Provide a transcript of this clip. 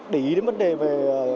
để ý đến vấn đề về